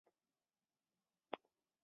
内射模相似性质的模。